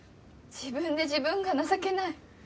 自分で自分が情けない。